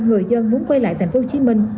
người dân muốn quay lại thành phố hồ chí minh